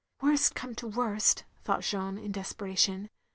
"Worst come to the worst," thought Jeanne, in desperation.